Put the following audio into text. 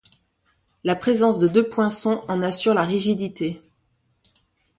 La présence de deux poinçons en assure la rigidité.